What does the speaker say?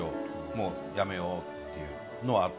「もうやめよう」っていうのはあった。